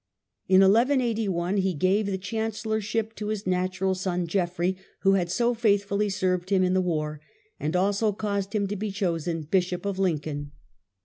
In 1 181 he gave the chancellorship to his natural son Geoffrey, who had so faithfully served him in the war, and also caused him to be chosen Bishop of Lincoln.